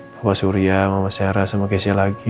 bapak surya mama sarah sama kezia lagi